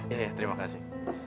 iya terima kasih